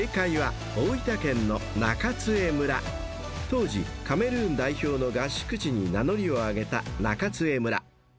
［当時カメルーン代表の合宿地に名乗りを上げた中津江村］